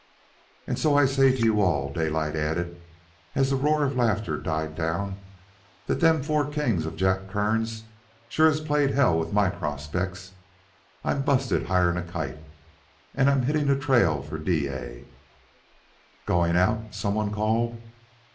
"And so I say to you all," Daylight added, as the roar of laughter died down, "that them four kings of Jack Kearns sure has played hell with my prospects. I'm busted higher'n a kite, and I'm hittin' the trail for Dyea " "Goin' out?" some one called.